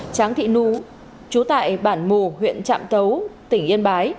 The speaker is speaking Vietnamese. tráng thị nú chú tại bản mù huyện trạm tấu tỉnh yên bái